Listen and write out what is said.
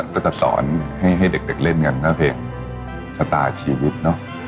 ก็จะสอนให้เด็กเล่นกันก็เพลงชะตาชีวิตเนอะ